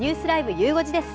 ゆう５時です。